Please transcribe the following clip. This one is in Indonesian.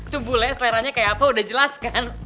tubule seleranya kayak apa udah jelaskan